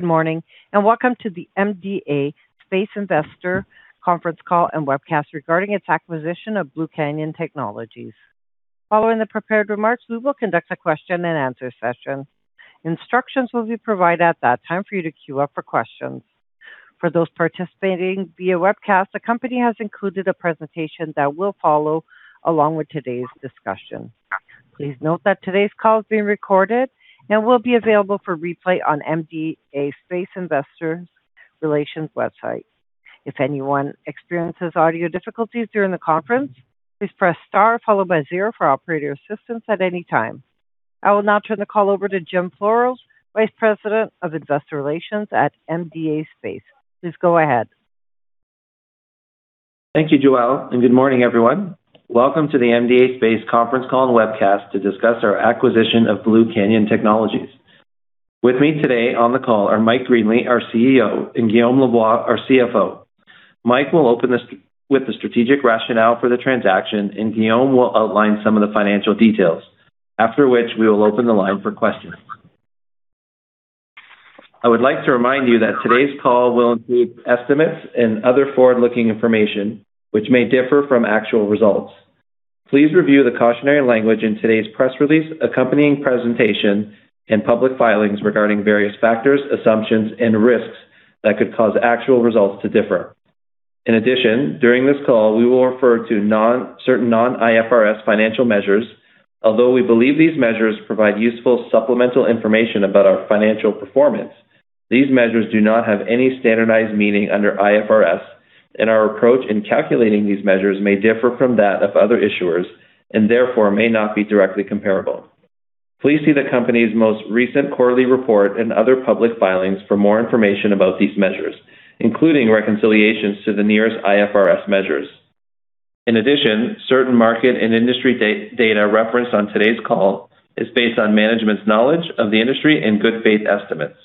Good morning, and welcome to the MDA Space Investor Conference Call and Webcast regarding its acquisition of Blue Canyon Technologies. Following the prepared remarks, we will conduct a question-and-answer session. Instructions will be provided at that time for you to queue up for questions. For those participating via webcast, the company has included a presentation that will follow along with today's discussion. Please note that today's call is being recorded and will be available for replay on MDA Space Investor Relations website. If anyone experiences audio difficulties during the conference, please press star followed by zero for operator assistance at any time. I will now turn the call over to Jim Floros, Vice President of Investor Relations at MDA Space. Please go ahead. Thank you, Joelle, and good morning, everyone. Welcome to the MDA Space conference call and webcast to discuss our acquisition of Blue Canyon Technologies. With me today on the call are Mike Greenley, our CEO, and Guillaume Lavoie, our CFO. Mike will open this with the strategic rationale for the transaction, and Guillaume will outline some of the financial details. After which, we will open the line for questions. I would like to remind you that today's call will include estimates and other forward-looking information, which may differ from actual results. Please review the cautionary language in today's press release, accompanying presentation, and public filings regarding various factors, assumptions, and risks that could cause actual results to differ. In addition, during this call, we will refer to certain non-IFRS financial measures. Although we believe these measures provide useful supplemental information about our financial performance, these measures do not have any standardized meaning under IFRS, and our approach in calculating these measures may differ from that of other issuers and therefore may not be directly comparable. Please see the company's most recent quarterly report and other public filings for more information about these measures, including reconciliations to the nearest IFRS measures. In addition, certain market and industry data referenced on today's call is based on management's knowledge of the industry and good-faith estimates.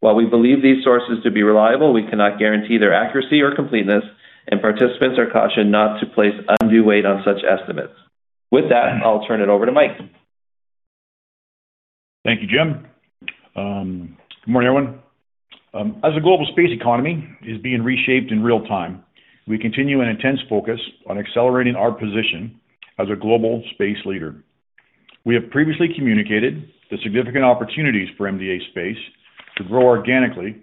While we believe these sources to be reliable, we cannot guarantee their accuracy or completeness, and participants are cautioned not to place undue weight on such estimates. With that, I'll turn it over to Mike. Thank you, Jim. Good morning, everyone. As the global space economy is being reshaped in real-time, we continue an intense focus on accelerating our position as a global space leader. We have previously communicated the significant opportunities for MDA Space to grow organically,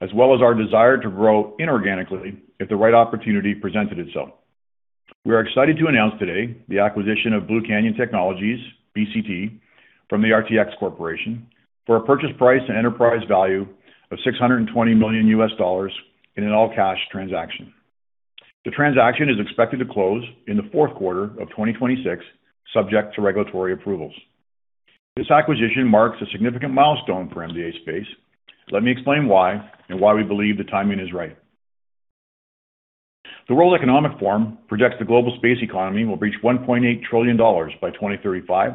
as well as our desire to grow inorganically if the right opportunity presented itself. We are excited to announce today the acquisition of Blue Canyon Technologies, BCT, from the RTX Corporation for a purchase price and enterprise value of $620 million in an all-cash transaction. The transaction is expected to close in the fourth quarter of 2026, subject to regulatory approvals. This acquisition marks a significant milestone for MDA Space. Let me explain why and why we believe the timing is right. The World Economic Forum projects the global space economy will reach $1.8 trillion by 2035,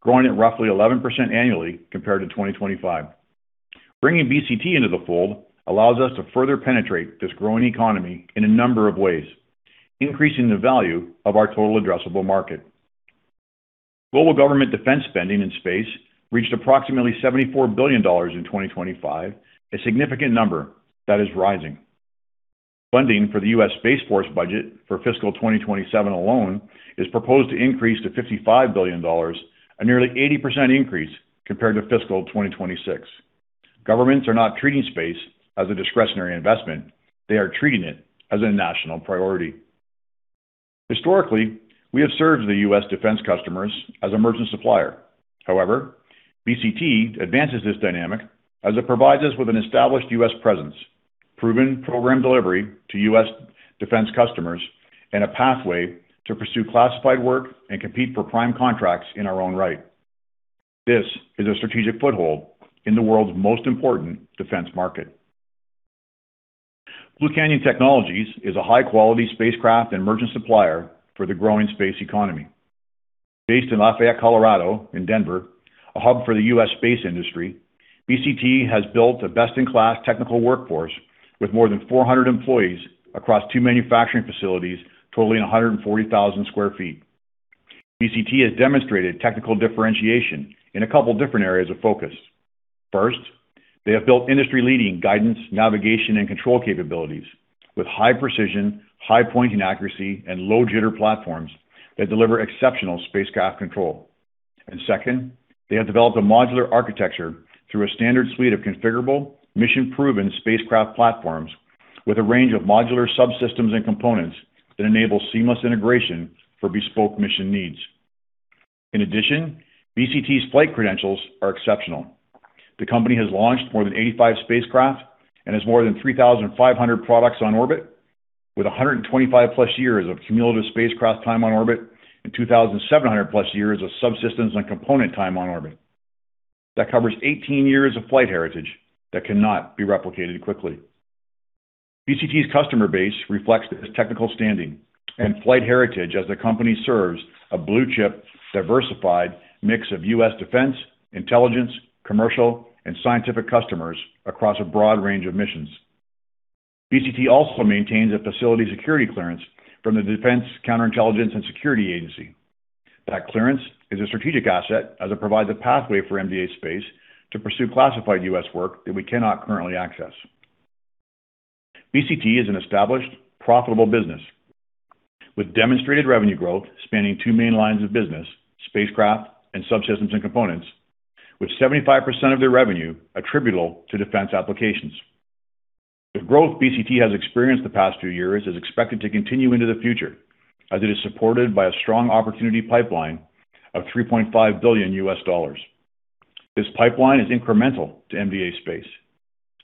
growing at roughly 11% annually compared to 2025. Bringing BCT into the fold allows us to further penetrate this growing economy in a number of ways, increasing the value of our total addressable market. Global government defense spending in space reached approximately $74 billion in 2025, a significant number that is rising. Funding for the U.S. Space Force budget for fiscal 2027 alone is proposed to increase to $55 billion, a nearly 80% increase compared to fiscal 2026. Governments are not treating space as a discretionary investment. They are treating it as a national priority. Historically, we have served the U.S. defense customers as a merchant supplier. However, BCT advances this dynamic as it provides us with an established U.S. presence, proven program delivery to U.S. defense customers, and a pathway to pursue classified work and compete for prime contracts in our own right. This is a strategic foothold in the world's most important defense market. Blue Canyon Technologies is a high-quality spacecraft and merchant supplier for the growing space economy. Based in Lafayette, Colorado, in Denver, a hub for the U.S. space industry, BCT has built a best-in-class technical workforce with more than 400 employees across two manufacturing facilities totaling 140,000 sq ft. BCT has demonstrated technical differentiation in a couple of different areas of focus. First, they have built industry-leading guidance, navigation, and control capabilities with high-precision, high-pointing accuracy, and low-jitter platforms that deliver exceptional spacecraft control. Second, they have developed a modular architecture through a standard suite of configurable, mission-proven spacecraft platforms with a range of modular subsystems and components that enable seamless integration for bespoke mission needs. In addition, BCT's flight credentials are exceptional. The company has launched more than 85 spacecraft and has more than 3,500 products on orbit, with 125+ years of cumulative spacecraft time on orbit and 2,700+ years of subsystems and component time on orbit. That covers 18 years of flight heritage that cannot be replicated quickly. BCT's customer base reflects this technical standing and flight heritage as the company serves a blue-chip, diversified mix of U.S. defense, intelligence, commercial, and scientific customers across a broad range of missions. BCT also maintains a facility security clearance from the Defense Counterintelligence and Security Agency. That clearance is a strategic asset as it provides a pathway for MDA Space to pursue classified U.S. work that we cannot currently access. BCT is an established, profitable business with demonstrated revenue growth spanning two main lines of business, spacecraft and subsystems and components, with 75% of their revenue attributable to defense applications. The growth BCT has experienced the past few years is expected to continue into the future, as it is supported by a strong opportunity pipeline of $3.5 billion. This pipeline is incremental to MDA Space,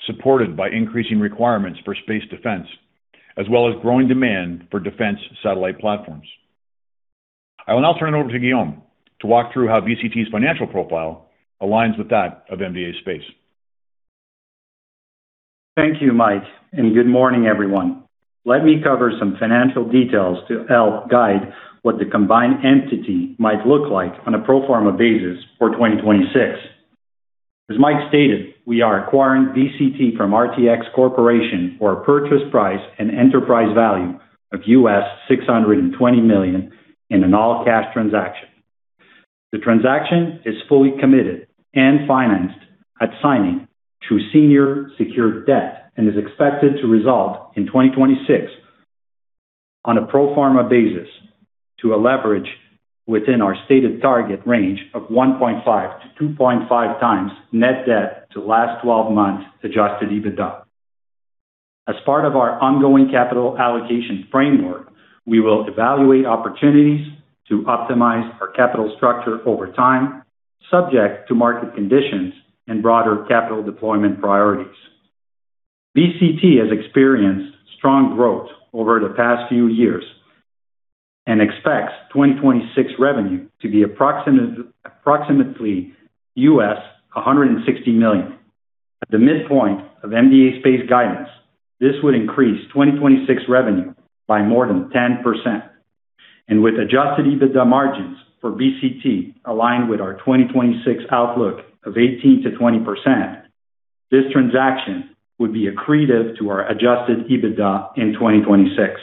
supported by increasing requirements for space defense, as well as growing demand for defense satellite platforms. I will now turn it over to Guillaume to walk through how BCT's financial profile aligns with that of MDA Space. Thank you, Mike, and good morning, everyone. Let me cover some financial details to help guide what the combined entity might look like on a pro forma basis for 2026. As Mike stated, we are acquiring BCT from RTX Corporation for a purchase price and enterprise value of $620 million in an all-cash transaction. The transaction is fully committed and financed at signing through senior secured debt and is expected to result in 2026 on a pro forma basis to a leverage within our stated target range of 1.5x to 2.5x net debt to last 12 months adjusted EBITDA. As part of our ongoing capital allocation framework, we will evaluate opportunities to optimize our capital structure over time, subject to market conditions and broader capital deployment priorities. BCT has experienced strong growth over the past few years and expects 2026 revenue to be approximately $160 million. At the midpoint of MDA Space guidance, this would increase 2026 revenue by more than 10%. With adjusted EBITDA margins for BCT aligned with our 2026 outlook of 18%-20%, this transaction would be accretive to our adjusted EBITDA in 2026.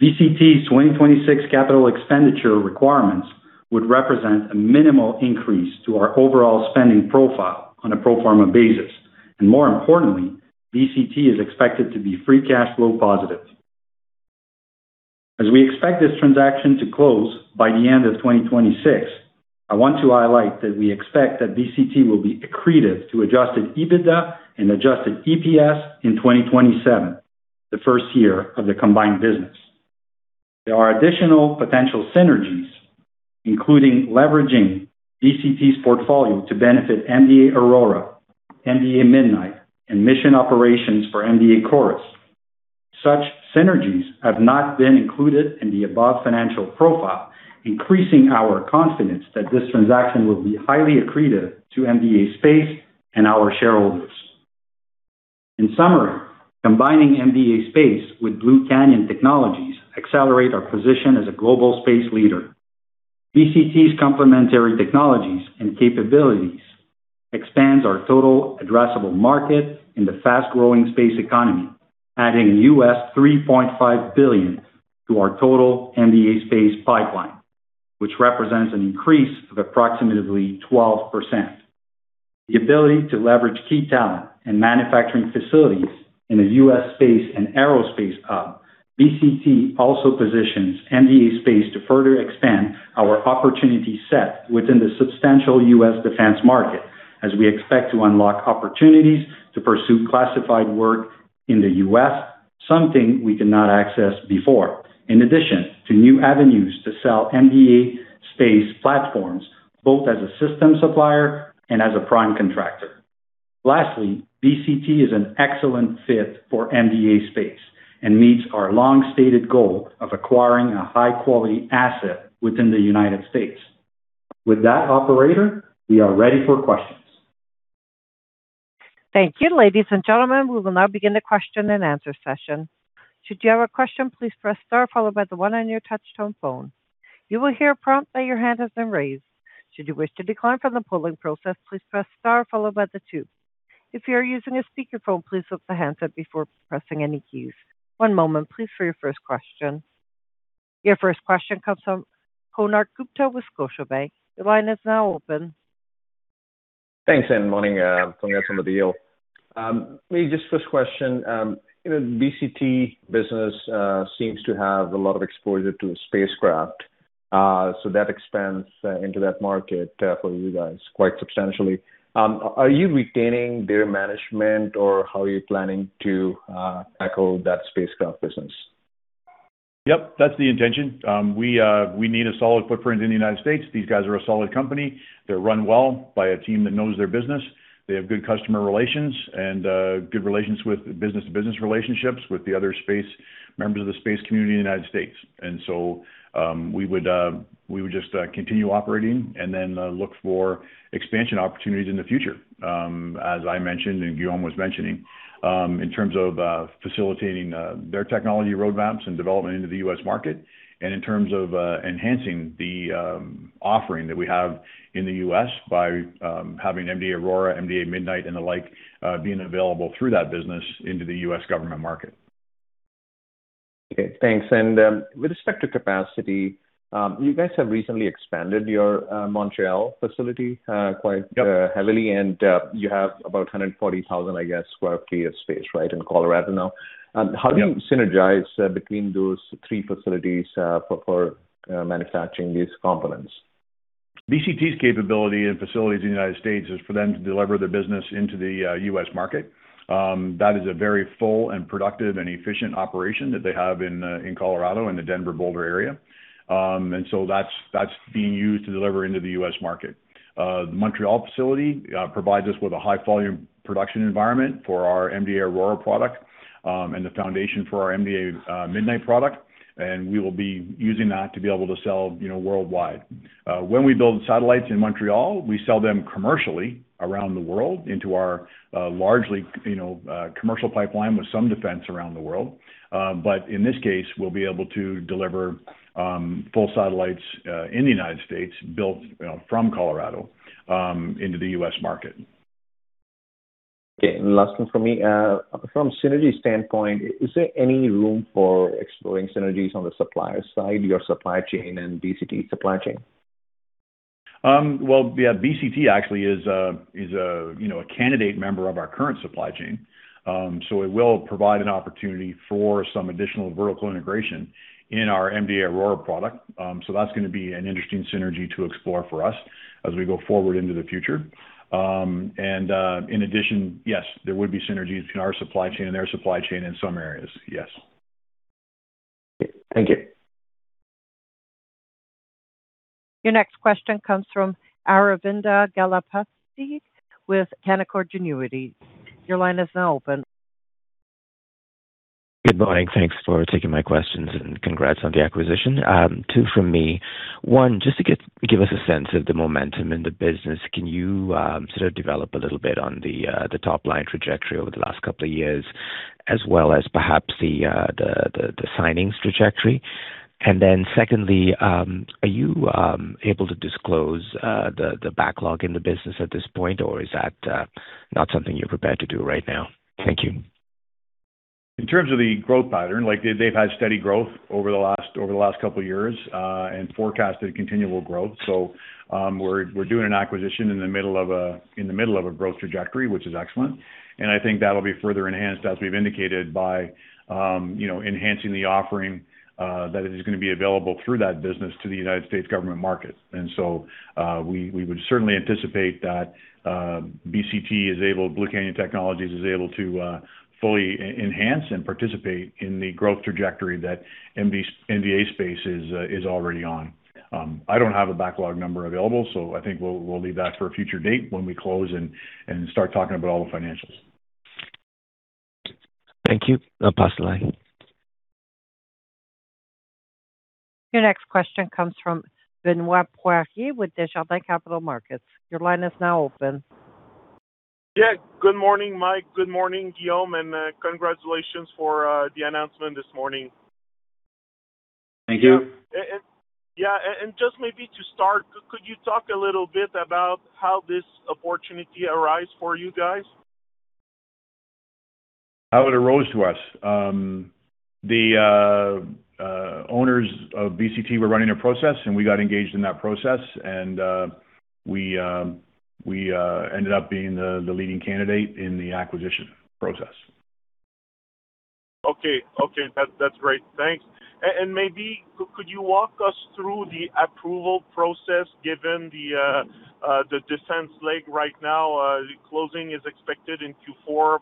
BCT's 2026 capital expenditure requirements would represent a minimal increase to our overall spending profile on a pro forma basis. More importantly, BCT is expected to be free cash flow positive. As we expect this transaction to close by the end of 2026, I want to highlight that we expect that BCT will be accretive to adjusted EBITDA and adjusted EPS in 2027, the first year of the combined business. There are additional potential synergies, including leveraging BCT's portfolio to benefit MDA AURORA, MDA MIDNIGHT, and mission operations for MDA CHORUS. Such synergies have not been included in the above financial profile, increasing our confidence that this transaction will be highly accretive to MDA Space and our shareholders. In summary, combining MDA Space with Blue Canyon Technologies accelerate our position as a global space leader. BCT's complementary technologies and capabilities expands our total addressable market in the fast-growing space economy, adding $3.5 billion to our total MDA Space pipeline, which represents an increase of approximately 12%. The ability to leverage key talent and manufacturing facilities in a U.S. space and aerospace hub, BCT also positions MDA Space to further expand our opportunity set within the substantial U.S. defense market as we expect to unlock opportunities to pursue classified work in the U.S., something we cannot access before. In addition to new avenues to sell MDA Space platforms, both as a system supplier and as a prime contractor. Lastly, BCT is an excellent fit for MDA Space and meets our long-stated goal of acquiring a high-quality asset within the United States. With that operator, we are ready for questions. Thank you, ladies and gentlemen. We will now begin the question and answer session. Should you have a question, please press star followed by the one on your touch-tone phone. You will hear a prompt that your hand has been raised. Should you wish to decline from the polling process, please press star followed by the two. If you are using a speakerphone, please lift the handset before pressing any keys. One moment, please, for your first question. Your first question comes from Konark Gupta with Scotiabank. The line is now open. Thanks. Morning, congratulations on the deal. Maybe just first question. BCT business seems to have a lot of exposure to spacecraft. That expands into that market for you guys quite substantially. Are you retaining their management, or how are you planning to tackle that spacecraft business? Yep, that's the intention. We need a solid footprint in the United States. These guys are a solid company. They're run well by a team that knows their business. They have good customer relations and good business relationships with the other members of the space community in the United States. We would just continue operating and then look for expansion opportunities in the future. As I mentioned and Guillaume was mentioning, in terms of facilitating their technology roadmaps and development into the U.S. market, and in terms of enhancing the offering that we have in the U.S. by having MDA AURORA, MDA MIDNIGHT, and the like being available through that business into the U.S. government market. Okay, thanks. With respect to capacity, you guys have recently expanded your Montreal facility quite heavily. You have about 140,000, I guess, square feet of space, right, in Colorado now. How do you synergize between those three facilities for manufacturing these components? BCT's capability and facilities in the United States is for them to deliver their business into the U.S. market. That is a very full and productive and efficient operation that they have in Colorado, in the Denver, Boulder area. So that's being used to deliver into the U.S. market. The Montreal facility provides us with a high volume production environment for our MDA AURORA product, and the foundation for our MDA MIDNIGHT product. We will be using that to be able to sell worldwide. When we build satellites in Montreal, we sell them commercially around the world into our largely commercial pipeline with some defense around the world. In this case, we'll be able to deliver full satellites in the United States built from Colorado, into the U.S. market. Okay, last one from me. From synergy standpoint, is there any room for exploring synergies on the supplier side, your supply chain and BCT supply chain? Well, yeah, BCT actually is a candidate member of our current supply chain. It will provide an opportunity for some additional vertical integration in our MDA AURORA product. That's going to be an interesting synergy to explore for us as we go forward into the future. In addition, yes, there would be synergies in our supply chain and their supply chain in some areas. Yes. Okay. Thank you. Your next question comes from Aravinda Galappatthige with Canaccord Genuity. Your line is now open. Good morning. Thanks for taking my questions, congrats on the acquisition. Two from me. One, just to give us a sense of the momentum in the business, can you sort of develop a little bit on the top line trajectory over the last couple of years, as well as perhaps the signings trajectory? Then secondly, are you able to disclose the backlog in the business at this point, or is that not something you're prepared to do right now? Thank you. In terms of the growth pattern, they've had steady growth over the last couple of years, and forecasted continual growth. We're doing an acquisition in the middle of a growth trajectory, which is excellent. I think that'll be further enhanced, as we've indicated, by enhancing the offering that is going to be available through that business to the United States government market. We would certainly anticipate that BCT, Blue Canyon Technologies, is able to fully enhance and participate in the growth trajectory that MDA Space is already on. I don't have a backlog number available, I think we'll leave that for a future date when we close and start talking about all the financials. Thank you. I'll pass the line. Your next question comes from Benoit Poirier with Desjardins Capital Markets. Your line is now open. Good morning, Mike. Good morning, Guillaume, congratulations for the announcement this morning. Thank you. Just maybe to start, could you talk a little bit about how this opportunity arose for you guys? How it arose to us. The owners of BCT were running a process, we got engaged in that process, and we ended up being the leading candidate in the acquisition process. Okay. That's great. Thanks. Maybe could you walk us through the approval process given the defense leg right now? The closing is expected in Q4,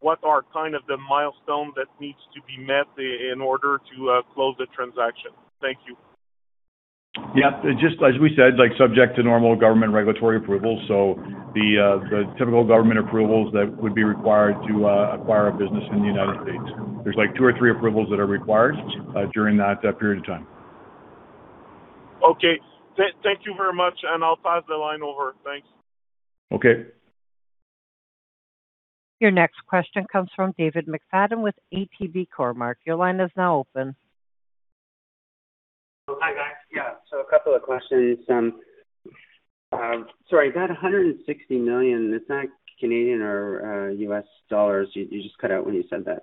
what are kind of the milestones that need to be met in order to close the transaction? Thank you. Yeah. Just as we said, subject to normal government regulatory approvals. The typical government approvals that would be required to acquire a business in the United States. There's two or three approvals that are required during that period of time. Okay. Thank you very much. I'll pass the line over. Thanks. Okay. Your next question comes from David McFadgen with ATB Cormark. Your line is now open. Hi, guys. Yeah, a couple of questions. Sorry, that $160 million, it's not Canadian or U.S. dollar. You just cut out when you said that.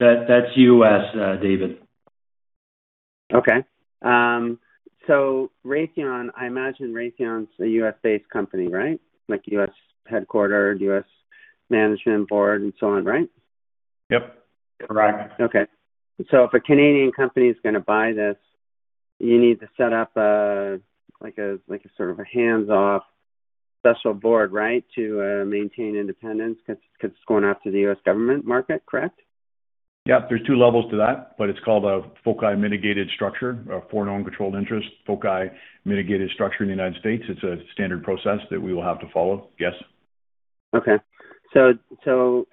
That's U.S., David. Okay. Raytheon, I imagine Raytheon's a U.S.-based company, right? Like U.S. headquarter, U.S. management board and so on, right? Yep. Correct. Okay. If a Canadian company is going to buy this, you need to set up a sort of a hands-off special board, right, to maintain independence, because it's going out to the U.S. government market, correct? There's two levels to that, but it's called a FOCI mitigated structure, a Foreign-Owned Controlled Interest, FOCI mitigated structure in the United States. It's a standard process that we will have to follow. Yes. Okay. Do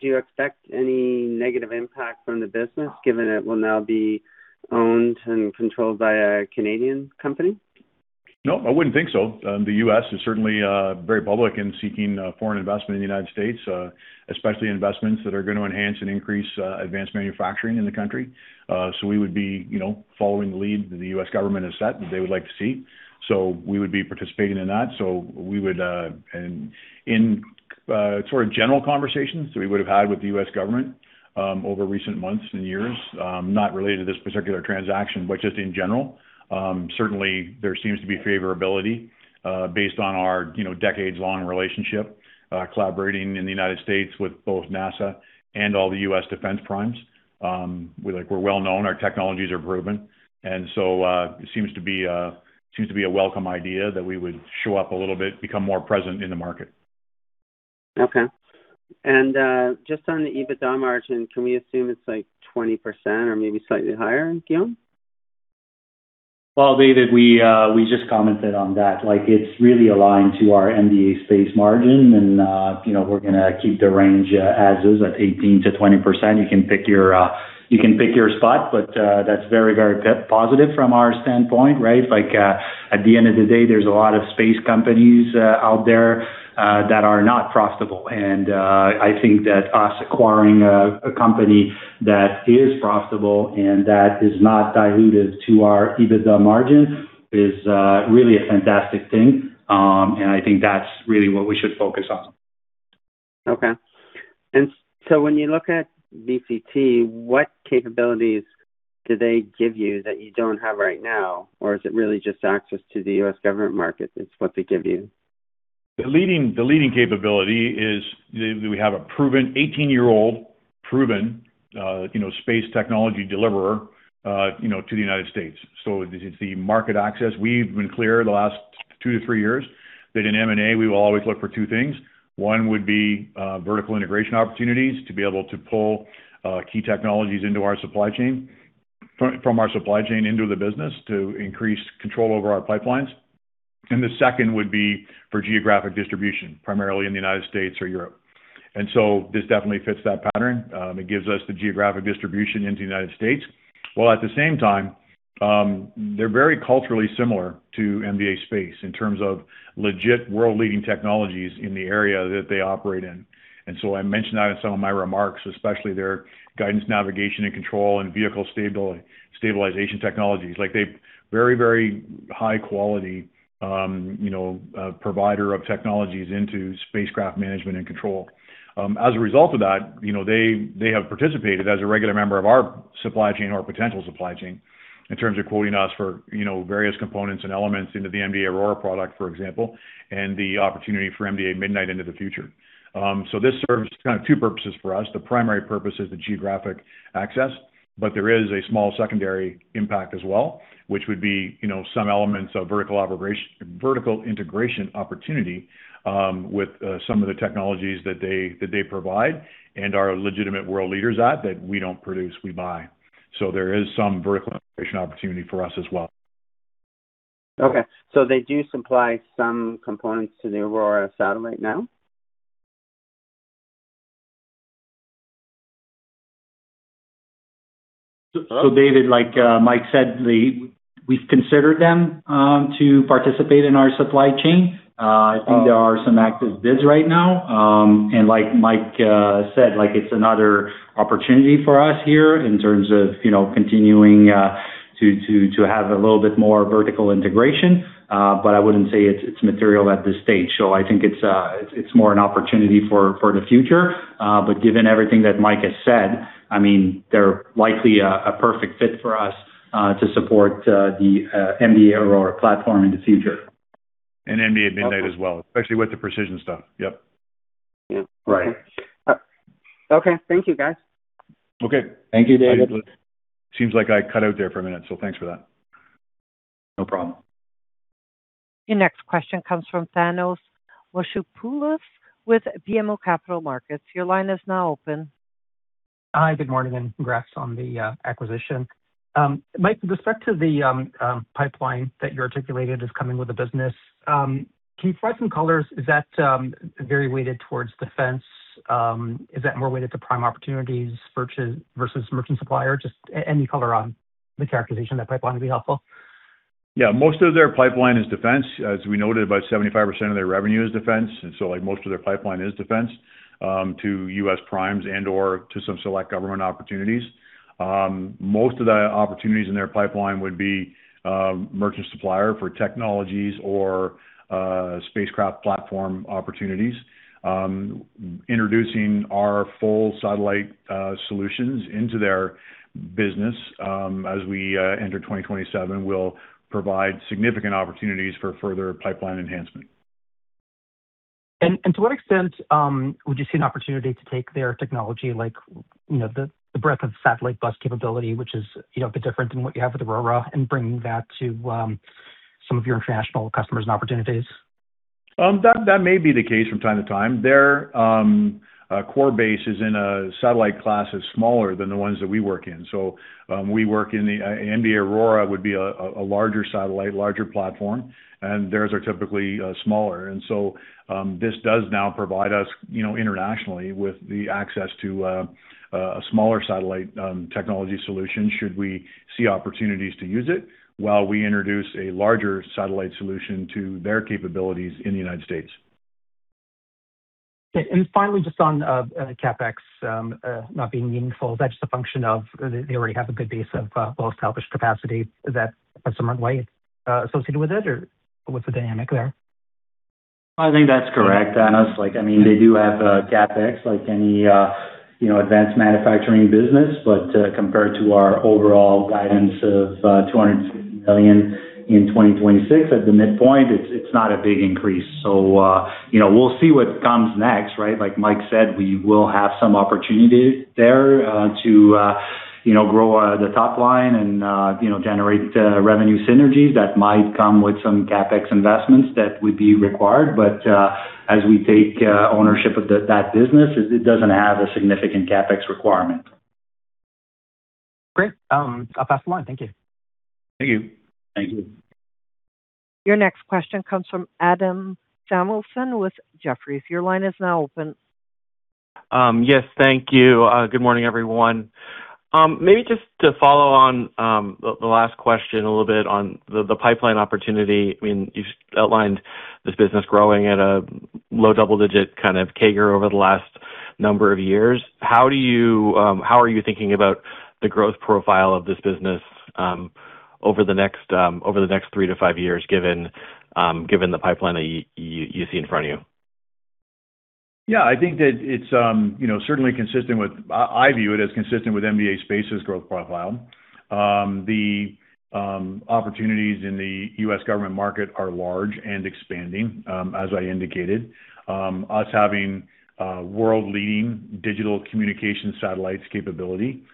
you expect any negative impact from the business given it will now be owned and controlled by a Canadian company? No, I wouldn't think so. The U.S. is certainly very public in seeking foreign investment in the United States, especially investments that are going to enhance and increase advanced manufacturing in the country. We would be following the lead that the U.S. government has set that they would like to see. We would be participating in that. We would in sort of general conversations that we would have had with the U.S. government over recent months and years, not related to this particular transaction, but just in general. Certainly, there seems to be favorability based on our decades-long relationship, collaborating in the United States with both NASA and all the U.S. defense primes. We're well-known, our technologies are proven, it seems to be a welcome idea that we would show up a little bit, become more present in the market. Okay. Just on the EBITDA margin, can we assume it's 20% or maybe slightly higher, Guillaume? Well, David, we just commented on that. It is really aligned to our MDA Space margin. We are going to keep the range as is at 18%-20%. You can pick your spot, but that is very positive from our standpoint, right? At the end of the day, there is a lot of space companies out there that are not profitable. I think that us acquiring a company that is profitable and that is not dilutive to our adjusted EBITDA margin is really a fantastic thing. I think that is really what we should focus on. Okay. When you look at BCT, what capabilities do they give you that you do not have right now? Or is it really just access to the U.S. government market is what they give you? The leading capability is that we have a proven 18-year-old proven space technology deliverer to the United States. It is the market access. We have been clear the last two to three years that in M&A, we will always look for two things. One would be vertical integration opportunities to be able to pull key technologies into our supply chain, from our supply chain into the business to increase control over our pipelines. The second would be for geographic distribution, primarily in the United States or Europe. This definitely fits that pattern. It gives us the geographic distribution into the United States, while at the same time, they are very culturally similar to MDA Space in terms of legit world-leading technologies in the area that they operate in. I mentioned that in some of my remarks, especially their guidance, navigation, and control and vehicle stabilization technologies. They are very high-quality provider of technologies into spacecraft management and control. As a result of that, they have participated as a regular member of our supply chain or potential supply chain in terms of quoting us for various components and elements into the MDA AURORA product, for example. The opportunity for MDA MIDNIGHT into the future. This serves two purposes for us. The primary purpose is the geographic access, but there is a small secondary impact as well, which would be some elements of vertical integration opportunity with some of the technologies that they provide and are legitimate world leaders at, that we do not produce, we buy. There is some vertical integration opportunity for us as well. Okay. Do they supply some components to the AURORA satellite now? David, like Mike said, we've considered them to participate in our supply chain. I think there are some active bids right now. Like Mike said, it's another opportunity for us here in terms of continuing to have a little bit more vertical integration. I wouldn't say it's material at this stage. I think it's more an opportunity for the future. Given everything that Mike has said, they're likely a perfect fit for us to support the MDA AURORA platform into the future. MDA MIDNIGHT as well, especially with the precision stuff. Yep. Yeah. Right. Okay. Thank you, guys. Okay. Thank you, David. Seems like I cut out there for a minute, thanks for that. No problem. Your next question comes from Thanos Moschopoulos with BMO Capital Markets. Your line is now open. Hi, good morning, and congrats on the acquisition. Mike, with respect to the pipeline that you articulated is coming with the business, can you provide some colors? Is that very weighted towards defense? Is that more weighted to prime opportunities versus merchant supplier? Just any color on the characterization of that pipeline would be helpful. Yeah. Most of their pipeline is defense. As we noted, about 75% of their revenue is defense. Most of their pipeline is defense to U.S. primes and/or to some select government opportunities. Most of the opportunities in their pipeline would be merchant supplier for technologies or spacecraft platform opportunities. Introducing our full satellite solutions into their business as we enter 2027 will provide significant opportunities for further pipeline enhancement. To what extent would you see an opportunity to take their technology, like the breadth of satellite bus capability, which is a bit different than what you have with AURORA, and bringing that to some of your international customers and opportunities? That may be the case from time to time. Their core base is in a satellite class that's smaller than the ones that we work in. MDA AURORA would be a larger satellite, larger platform, and theirs are typically smaller. This does now provide us internationally with the access to a smaller satellite technology solution should we see opportunities to use it while we introduce a larger satellite solution to their capabilities in the United States. Okay. Finally, just on CapEx, not being meaningful, is that just a function of they already have a good base of well-established capacity? Is that a smart way? Associated with it? What's the dynamic there? I think that's correct, Thanos. They do have CapEx, like any advanced manufacturing business. Compared to our overall guidance of 250 million in 2026 at the midpoint, it's not a big increase. We'll see what comes next, right? Like Mike said, we will have some opportunities there to grow the top line and generate revenue synergies that might come with some CapEx investments that would be required. As we take ownership of that business, it doesn't have a significant CapEx requirement. Great. I'll pass the line. Thank you. Thank you. Thank you. Your next question comes from Adam Samuelson with Jefferies. Your line is now open. Yes, thank you. Good morning, everyone. Maybe just to follow on the last question a little bit on the pipeline opportunity. You've outlined this business growing at a low double-digit kind of CAGR over the last number of years. How are you thinking about the growth profile of this business over the next three to five years, given the pipeline that you see in front of you? Yeah, I think that it's certainly consistent with I view it as consistent with MDA Space's growth profile. The opportunities in the U.S. government market are large and expanding, as I indicated. Us having world-leading digital communication satellites capability.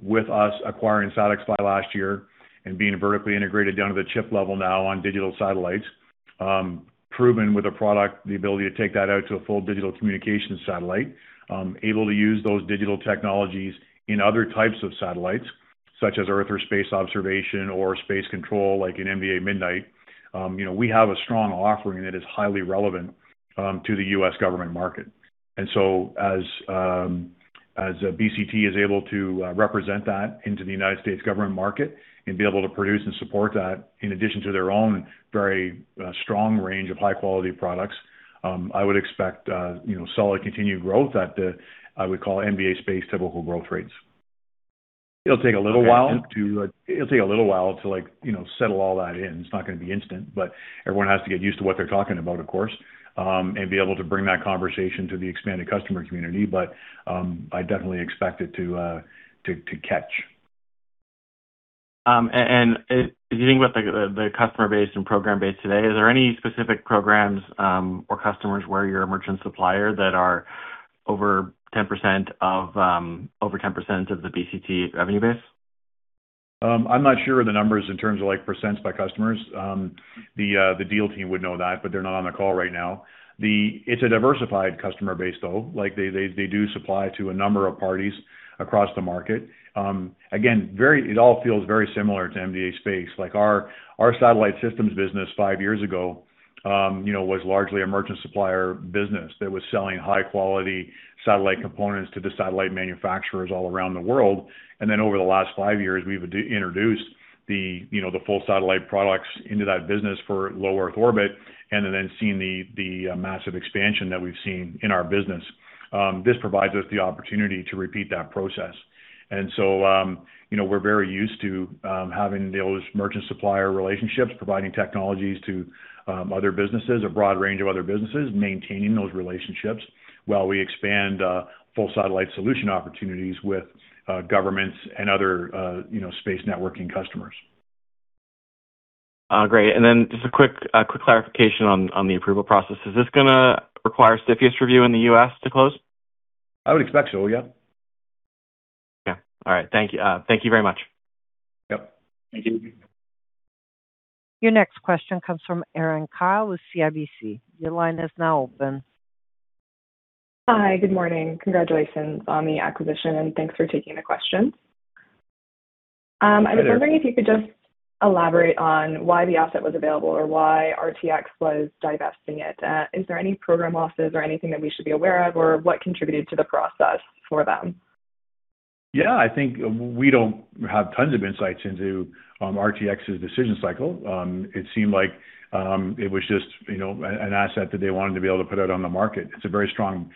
With us acquiring SatixFy last year and being vertically integrated down to the chip level now on digital satellites. Proven with a product, the ability to take that out to a full digital communications satellite. Able to use those digital technologies in other types of satellites, such as earth or space observation or space control, like in MDA MIDNIGHT. We have a strong offering that is highly relevant to the U.S. government market. As BCT is able to represent that into the United States government market and be able to produce and support that, in addition to their own very strong range of high-quality products, I would expect solid continued growth at, I would call, MDA Space typical growth rates. It'll take a little while to settle all that in. It's not going to be instant, but everyone has to get used to what they're talking about, of course. Be able to bring that conversation to the expanded customer community. I definitely expect it to catch. Dealing with the customer base and program base today, is there any specific programs or customers where you're a merchant supplier that are over 10% of the BCT revenue base? I'm not sure of the numbers in terms of percents by customers. The deal team would know that, but they're not on the call right now. It's a diversified customer base, though. They do supply to a number of parties across the market. Again, it all feels very similar to MDA Space. Our satellite systems business five years ago was largely a merchant supplier business that was selling high-quality satellite components to the satellite manufacturers all around the world. Over the last five years, we've introduced the full satellite products into that business for low Earth orbit, then seeing the massive expansion that we've seen in our business. This provides us the opportunity to repeat that process. We're very used to having those merchant supplier relationships, providing technologies to other businesses, a broad range of other businesses, maintaining those relationships while we expand full satellite solution opportunities with governments and other space networking customers. Great. Just a quick clarification on the approval process. Is this going to require CFIUS review in the U.S. to close? I would expect so, yes. Yes. All right. Thank you. Thank you very much. Yes. Thank you. Your next question comes from Erin Kyle with CIBC. Your line is now open. Hi. Good morning. Congratulations on the acquisition, and thanks for taking the questions. Hi, Erin. I was wondering if you could just elaborate on why the asset was available or why RTX was divesting it. Is there any program losses or anything that we should be aware of, or what contributed to the process for them? I think we don't have tons of insights into RTX's decision cycle. It seemed like it was just an asset that they wanted to be able to put out on the market. It's a very strong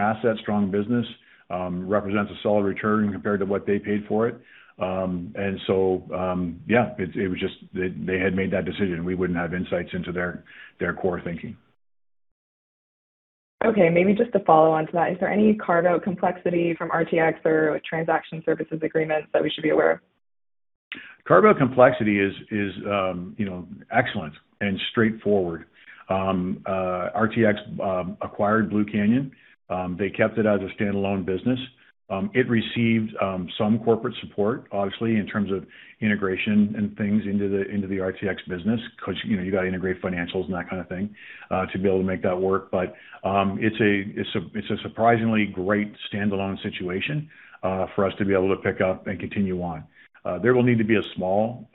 asset, strong business. Represents a solid return compared to what they paid for it. They had made that decision. We wouldn't have insights into their core thinking. Maybe just to follow on to that. Is there any carve-out complexity from RTX or transition services agreements that we should be aware of? Carve-out complexity is excellent and straightforward. RTX acquired Blue Canyon. They kept it as a standalone business. It received some corporate support, obviously, in terms of integration and things into the RTX business, because you got to integrate financials and that kind of thing to be able to make that work. It's a surprisingly great standalone situation for us to be able to pick up and continue on. There will need to be a small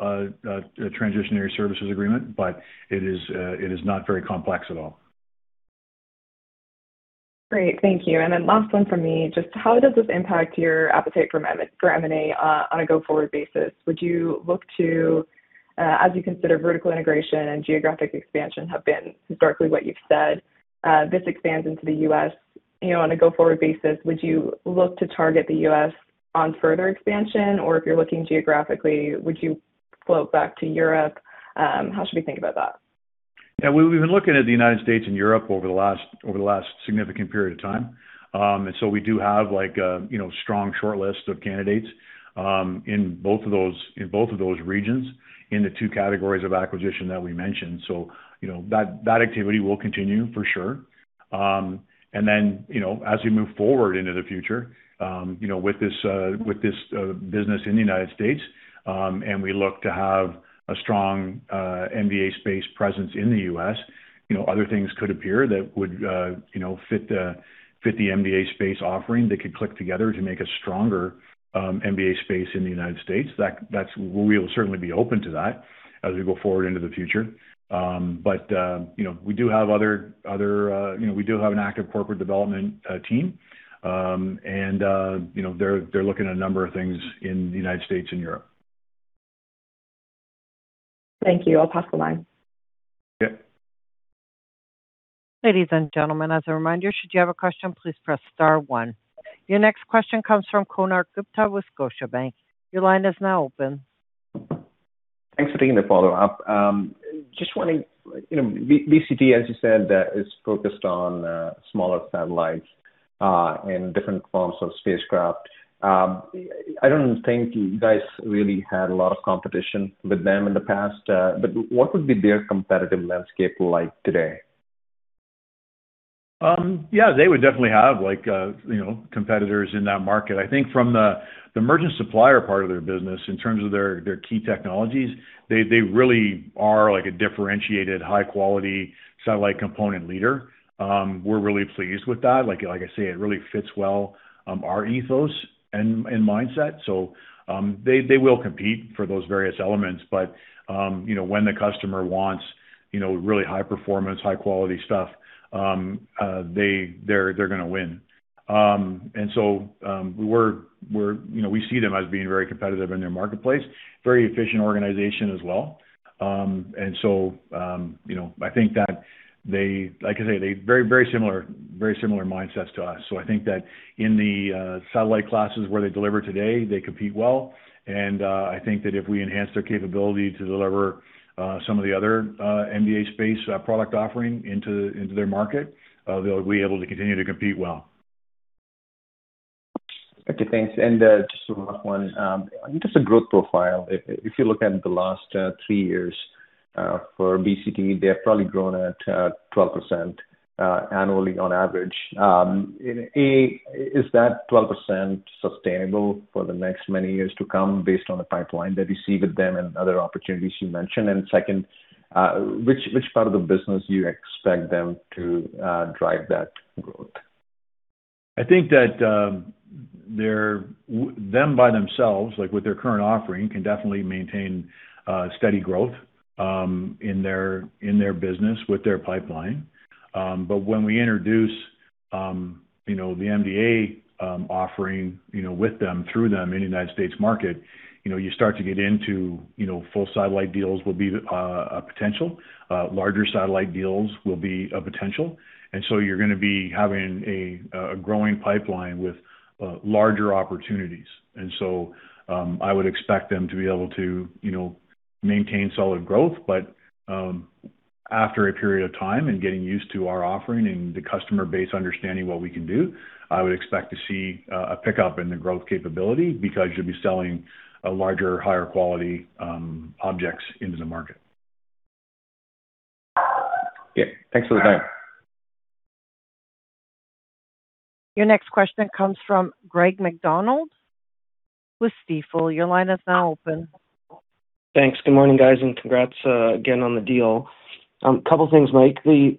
transition services agreement, it is not very complex at all. Great. Thank you. Last one from me. How does this impact your appetite for M&A on a go-forward basis? As you consider vertical integration and geographic expansion have been historically what you've said, this expands into the U.S. On a go-forward basis, would you look to target the U.S. on further expansion? If you're looking geographically, would you float back to Europe? How should we think about that? We've been looking at the United States and Europe over the last significant period of time. We do have a strong shortlist of candidates, in both of those regions, in the two categories of acquisition that we mentioned. That activity will continue, for sure. As we move forward into the future, with this business in the United States, and we look to have a strong MDA Space presence in the U.S., other things could appear that would fit the MDA Space offering, that could click together to make a stronger MDA Space in the United States. We'll certainly be open to that as we go forward into the future. We do have an active corporate development team. They're looking at a number of things in the United States and Europe. Thank you. I'll pass the line. Yeah. Ladies and gentlemen, as a reminder, should you have a question, please press star one. Your next question comes from Konark Gupta with Scotiabank. Your line is now open. Thanks for taking the follow-up. Wondering, BCT, as you said, is focused on smaller satellites, and different forms of spacecraft. I don't think you guys really had a lot of competition with them in the past. What would be their competitive landscape like today? Yeah, they would definitely have competitors in that market. I think from the emergent supplier part of their business, in terms of their key technologies, they really are a differentiated high-quality satellite component leader. We're really pleased with that. Like I say, it really fits well our ethos and mindset. They will compete for those various elements, but when the customer wants really high performance, high-quality stuff, they're gonna win. We see them as being very competitive in their marketplace. Very efficient organization as well. I think that, like I say, they very similar mindsets to us. I think that in the satellite classes where they deliver today, they compete well, and I think that if we enhance their capability to deliver some of the other MDA Space product offering into their market, they'll be able to continue to compete well. Okay, thanks. Just a rough one, just the growth profile. If you look at the last three years for BCT, they have probably grown at 12% annually on average. A, is that 12% sustainable for the next many years to come based on the pipeline that you see with them and other opportunities you mentioned? Second, which part of the business do you expect them to drive that growth? I think that them by themselves, with their current offering, can definitely maintain steady growth in their business with their pipeline. When we introduce the MDA offering with them, through them in the United States market, you start to get into full satellite deals will be a potential. Larger satellite deals will be a potential. You're gonna be having a growing pipeline with larger opportunities. I would expect them to be able to maintain solid growth. After a period of time and getting used to our offering and the customer base understanding what we can do, I would expect to see a pickup in the growth capability because you'll be selling larger, higher quality objects into the market. Yeah. Thanks for the time. Your next question comes from Greg MacDonald with Stifel. Your line is now open. Thanks. Good morning, guys, and congrats again on the deal. Couple things, Mike. The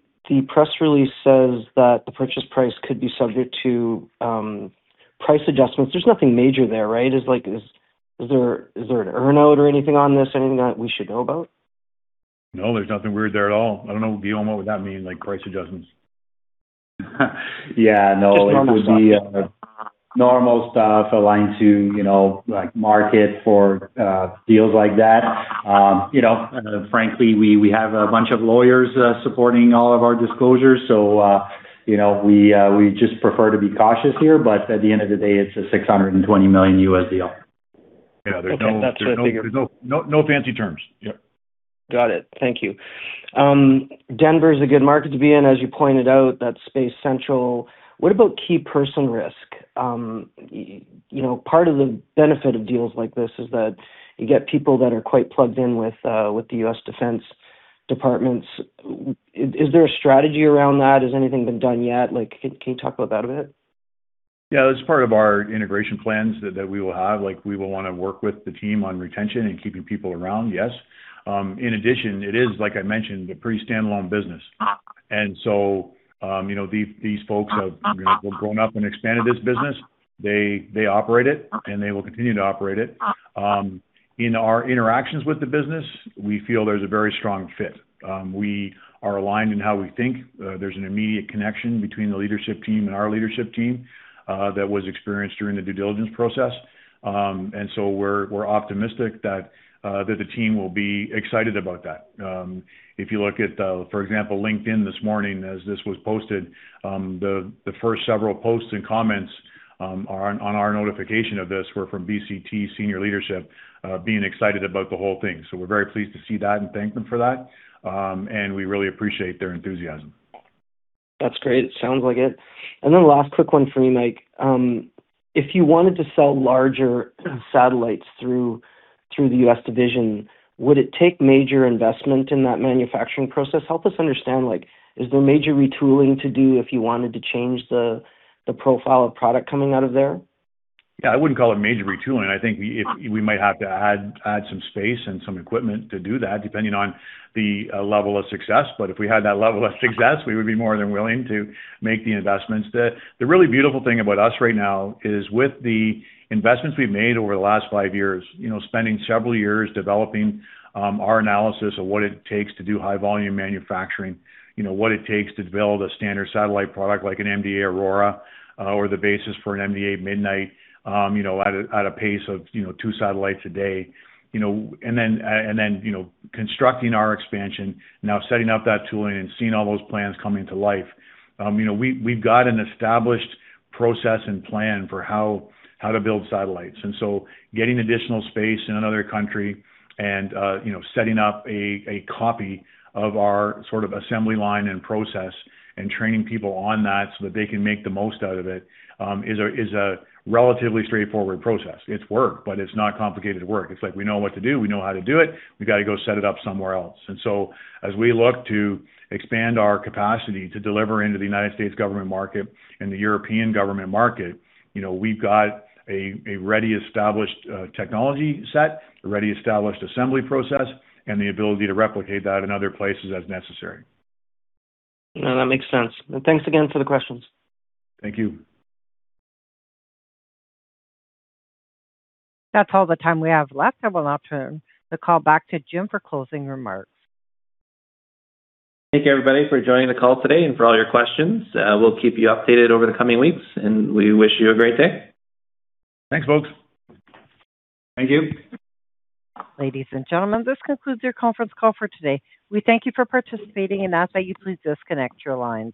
press release says that the purchase price could be subject to price adjustments. There is nothing major there, right? Is there an earn-out or anything on this? Anything that we should know about? No, there is nothing weird there at all. I do not know, Guillaume, what would that mean, price adjustments? Yeah. No. It would be normal stuff aligned to market for deals like that. Frankly, we have a bunch of lawyers supporting all of our disclosures, so we just prefer to be cautious here. At the end of the day, it's a $620 million deal. Okay. That's what I figured. No fancy terms. Yeah. Got it. Thank you. Denver's a good market to be in, as you pointed out, that's space central. What about key person risk? Part of the benefit of deals like this is that you get people that are quite plugged in with the U.S. defense departments. Is there a strategy around that? Has anything been done yet? Can you talk about that a bit? Yeah, that's part of our integration plans that we will have. We will want to work with the team on retention and keeping people around, yes. In addition, it is, like I mentioned, a pretty standalone business. These folks have grown up and expanded this business. They operate it, and they will continue to operate it. In our interactions with the business, we feel there's a very strong fit. We are aligned in how we think. There's an immediate connection between the leadership team and our leadership team, that was experienced during the due diligence process. We're optimistic that the team will be excited about that. If you look at, for example, LinkedIn this morning as this was posted, the first several posts and comments on our notification of this were from BCT senior leadership being excited about the whole thing. We're very pleased to see that and thank them for that. We really appreciate their enthusiasm. That's great. It sounds like it. Last quick one for you, Mike. If you wanted to sell larger satellites through the U.S. division, would it take major investment in that manufacturing process? Help us understand, is there major retooling to do if you wanted to change the profile of product coming out of there? Yeah, I wouldn't call it major retooling. I think we might have to add some space and some equipment to do that, depending on the level of success. If we had that level of success, we would be more than willing to make the investments. The really beautiful thing about us right now is with the investments we've made over the last five years, spending several years developing our analysis of what it takes to do high-volume manufacturing, what it takes to build a standard satellite product like an MDA AURORA or the basis for an MDA MIDNIGHT at a pace of two satellites a day. Constructing our expansion, now setting up that tooling and seeing all those plans coming to life. We've got an established process and plan for how to build satellites. Getting additional space in another country and setting up a copy of our sort of assembly line and process and training people on that so that they can make the most out of it, is a relatively straightforward process. It's work, but it's not complicated work. It's like we know what to do. We know how to do it. We got to go set it up somewhere else. As we look to expand our capacity to deliver into the United States government market and the European government market, we've got a ready established technology set, a ready established assembly process, and the ability to replicate that in other places as necessary. No, that makes sense. Thanks again for the questions. Thank you. That's all the time we have left. I will now turn the call back to Jim for closing remarks. Thank you, everybody, for joining the call today and for all your questions. We'll keep you updated over the coming weeks, and we wish you a great day. Thanks, folks. Thank you. Ladies and gentlemen, this concludes your conference call for today. We thank you for participating and ask that you please disconnect your lines.